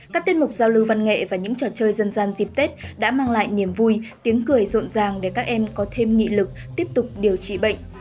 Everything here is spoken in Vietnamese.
các tiết mục giao lưu văn nghệ và những trò chơi dân gian dịp tết đã mang lại niềm vui tiếng cười rộn ràng để các em có thêm nghị lực tiếp tục điều trị bệnh